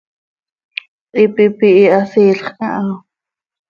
Hipi pihiiha, siilx caha.